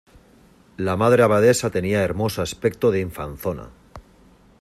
la Madre Abadesa tenía hermoso aspecto de infanzona: